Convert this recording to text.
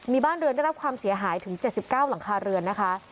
มีบ้านเรือนได้รับความเสียหายถึง๗๙หลังคาเรือนนะคะ